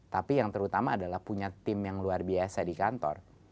tapi yang terutama adalah punya tim yang luar biasa di kantor